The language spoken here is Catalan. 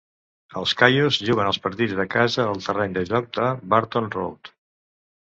Els Caius juguen els partits de casa al terreny de joc de Barton Road.